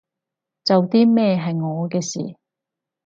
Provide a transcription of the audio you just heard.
做啲咩係我嘅事